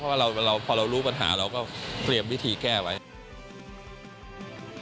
เพราะว่าเราพอเรารู้ปัญหาเราก็เตรียมวิธีแก้ไว้